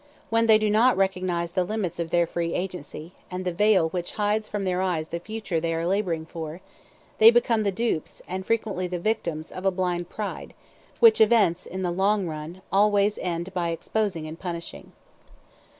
When they do not recognize the limits of their free agency, and the veil which hides from their eyes the future they are laboring for, they become the dupes, and frequently the victims, of a blind pride, which events, in the long run, always end by exposing and punishing.